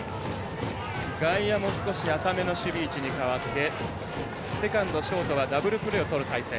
外野も浅めの守備位置に変わってセカンド、ショートはダブルプレーをとる体制。